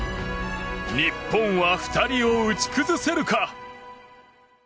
日本は２人を打ち崩せるか。